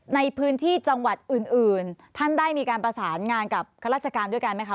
ในพื้นที่จังหวัดอื่นท่านได้มีการประสานงานกับข้าราชการด้วยกันไหมคะ